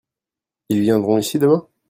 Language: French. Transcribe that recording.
Ils viendront ici demain ?